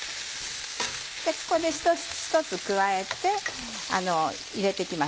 ここで一つ一つ加えて入れて行きます。